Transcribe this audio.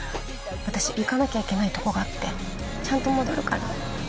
私、行かなきゃいけないところがあってちゃんと戻るから。